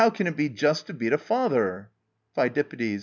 can it be right to beat a father? PHIDIPPIDES.